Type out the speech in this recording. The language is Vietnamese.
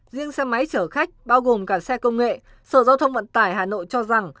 riêng xe máy chở khách bao gồm cả xe công nghệ sở giao thông vận tải hà nội cho rằng